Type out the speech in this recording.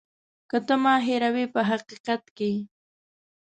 که ته ما هېروې په حقیقت کې.